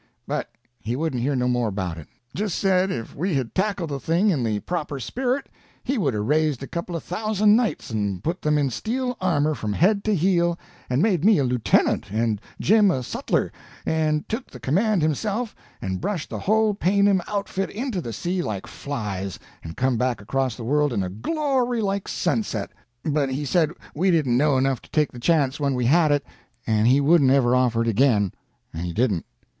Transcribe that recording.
But he wouldn't hear no more about it—just said if we had tackled the thing in the proper spirit, he would 'a' raised a couple of thousand knights and put them in steel armor from head to heel, and made me a lieutenant and Jim a sutler, and took the command himself and brushed the whole paynim outfit into the sea like flies and come back across the world in a glory like sunset. But he said we didn't know enough to take the chance when we had it, and he wouldn't ever offer it again. And he didn't.